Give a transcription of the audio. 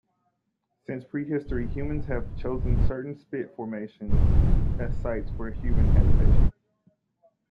Since prehistory humans have chosen certain spit formations as sites for human habitation.